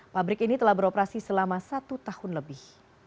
pabrik ini telah beroperasi selama satu tahun lebih